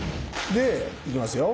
でいきますよ！